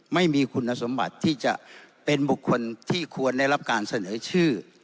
ไม่มีคุณสมบัติที่จะเป็นบุคคลที่ควรได้รับการเสนอชื่อ